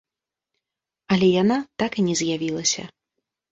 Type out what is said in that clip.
Але яна так і не з'явілася.